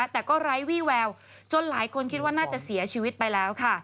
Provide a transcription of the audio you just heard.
แต่ก็ไร้วี่แววจนหลายคนคิดว่าน่าจะเสียชีวิตไปแล้วค่ะ